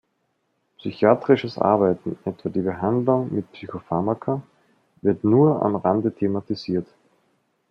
Psychiatrisches Arbeiten, etwa die Behandlung mit Psychopharmaka, wird nur am Rande thematisiert.